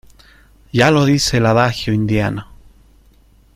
ya lo dice el adagio indiano: